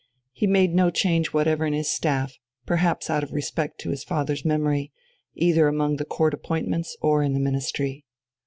He made no change whatever in his staff, perhaps out of respect to his father's memory, either among the Court appointments or in the Ministry.